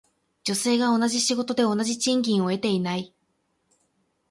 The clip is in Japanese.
女性が同じ仕事で同じ賃金を得ていない。